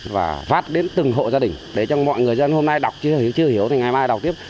và phát đến từng hộ gia đình để cho mọi người dân hôm nay đọc chứ chưa hiểu thì ngày mai đọc tiếp